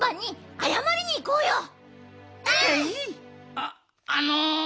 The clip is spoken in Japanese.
あっあの。